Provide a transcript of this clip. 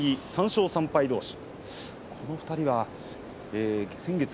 ３勝３敗どうし。